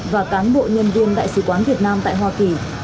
và cán bộ nhân viên đại sứ quán việt nam tại hoa kỳ